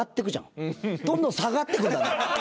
どんどん下がってくんだね。